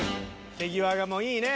手際がもういいね。